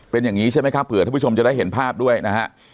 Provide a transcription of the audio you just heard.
เป็นอย่างนี้ใช่ไหมครับเผื่อท่านผู้ชมจะได้เห็นภาพด้วยนะฮะ